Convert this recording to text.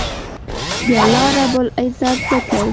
د الله رب العزت ذکر